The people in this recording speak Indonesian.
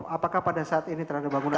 apakah pada saat ini terhadap bangunan